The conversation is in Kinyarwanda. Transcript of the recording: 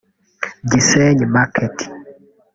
Gisenyi market